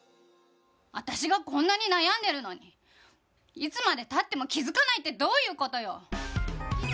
私がこんなに悩んでるのにいつまでたっても気付かないってどういうことよ！